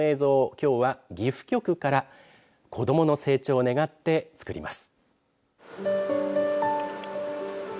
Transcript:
きょうは岐阜局から子どもの成長を願って作ります。